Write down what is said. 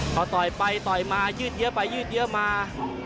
พอต่อยไปต่อยมายืดเยอะไปยืดเยอะมา